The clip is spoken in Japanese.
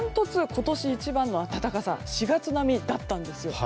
今年一番の暖かさで４月並みだったんです。